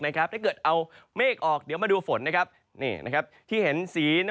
ถ้าเกิดเอาเมฆออกมาดูฝน